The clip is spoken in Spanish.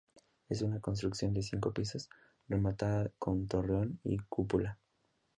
Es una construcción de cinco pisos, rematada con torreón y cúpula.